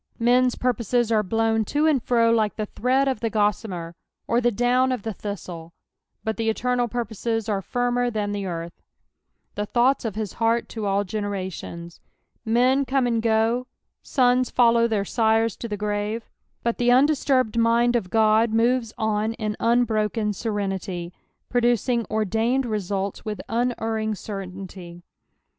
^Men's purposes are blown to and fro like the thread of the goesnmer or the down of the tnistle, but the eterasl purposes are firmer than the eaxj^ " The thovghU of hi* heart to all genera tioneV Men come and go, sons follow their sires to the grave, but the undis turbed mind of Ood moves on in unbroken serenity, producing ordained lesnltl with unerring certainty.